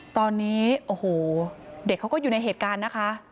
ตอนนี้โอ้โหเด็กเขาก็อยู่ในเหตุการณ์นะคะ